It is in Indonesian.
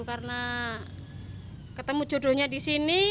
karena ketemu judulnya di sini